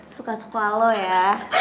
suka suka lu ya